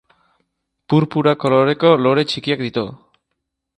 Purpura koloreko lore txikiak ditu.